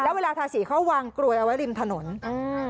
แล้วเวลาทาสีเขาวางกลวยเอาไว้ริมถนนอืม